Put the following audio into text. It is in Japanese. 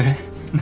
何？